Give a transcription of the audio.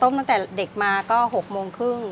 ออกมาก็๖โมงครึ่ง